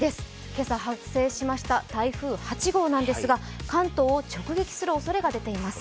今朝発生しました台風８号ですが、関東を直撃するおそれが出てきています。